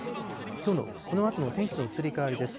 きょうのこのあとの天気の移り変わりです。